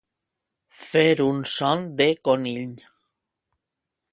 Fer un son de conill.